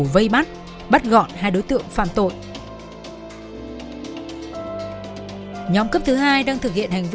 và họ đã thành công